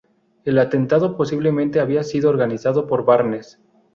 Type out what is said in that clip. El atentado posiblemente había sido organizado por Barnes.